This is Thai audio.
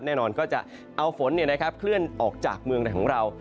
แน่นอนก็จะเอาฝนเนี่ยนะครับเคลื่อนออกจากเมืองไทยของเรา